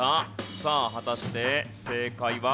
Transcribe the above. さあ果たして正解は？